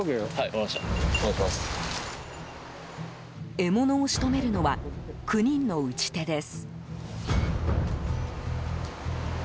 獲物を仕留めるのは９人の撃ち手です。